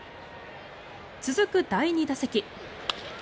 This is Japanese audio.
続く第２打席。